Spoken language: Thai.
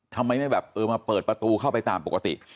ทำไมไม่แบบเออมาเปิดประตูเข้าไปตามปกติ